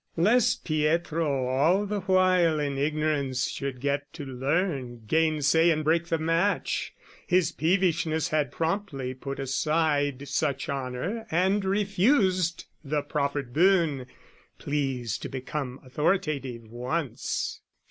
"Lest Pietro, all the while in ignorance, "Should get to learn, gainsay and break the match: "His peevishness had promptly put aside "Such honour and refused the proffered boon, "Pleased to become authoritative once.